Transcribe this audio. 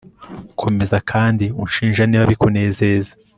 Komeza kandi unshinja niba bikunezeza